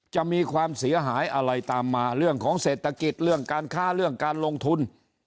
จะมีความเสียหายอะไรตามมาเรื่องของเศรษฐกิจเรื่องการค้าเรื่องการลงทุน